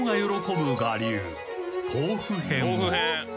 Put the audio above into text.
豆腐編！